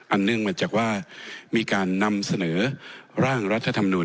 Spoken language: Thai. เนื่องมาจากว่ามีการนำเสนอร่างรัฐธรรมนูล